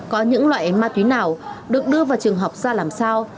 có những loại ma túy nào được đưa vào trường học ra làm sao